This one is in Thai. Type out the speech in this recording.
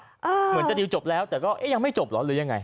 เหมือนจะดิวจบแล้วแต่ก็เอ๊ะยังไม่จบเหรอหรือยังไง